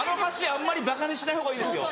あんまりばかにしない方がいいですよ。